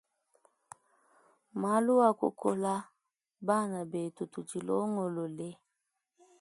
Malu akukola bana betu tudi longolole.